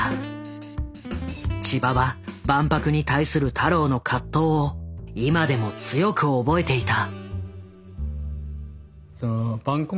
千葉は万博に対する太郎の葛藤を今でも強く覚えていた。